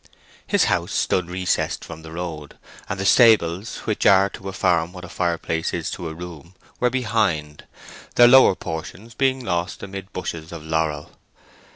His house stood recessed from the road, and the stables, which are to a farm what a fireplace is to a room, were behind, their lower portions being lost amid bushes of laurel.